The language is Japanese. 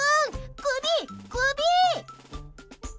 首、首！